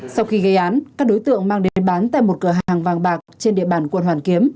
sau khi gây án các đối tượng mang đến bán tại một cửa hàng vàng bạc trên địa bàn quận hoàn kiếm